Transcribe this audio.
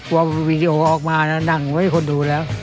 ว่าวีดีโอออกมานั่งไม่มีคนดูแล้ว